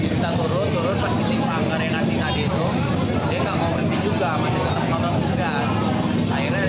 kita turun turun pas disimpang kareng asing tadi itu dia nggak mau berhenti juga